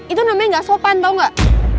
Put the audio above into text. itu namanya gak sopan tau gak